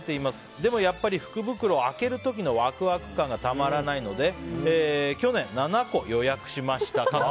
でも、やっぱり福袋を開ける時のワクワク感がたまらないので去年、７個予約しました。